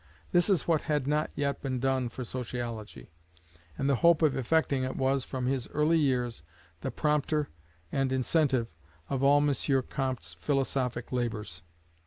This is what had not yet been done for sociology; and the hope of effecting it was, from his early years, the prompter and incentive of all M. Comte's philosophic labours.